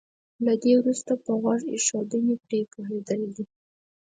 له دې وروسته په غوږ ايښودنې پرې پوهېدل دي.